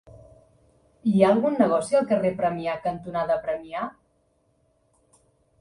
Hi ha algun negoci al carrer Premià cantonada Premià?